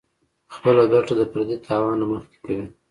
خپله ګټه د پردي تاوان نه مخکې کوي -